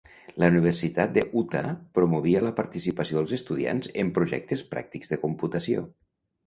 La Universitat de Utah promovia la participació dels estudiants en projectes pràctics de computació.